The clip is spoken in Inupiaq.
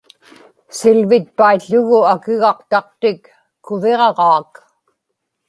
siḷivitpaił̣ł̣ugu akigaqtaqtik kuviġaġaak